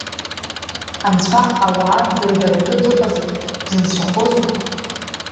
Анцәа ауаа дырбаратәы дыҟазар, дынцәахозма?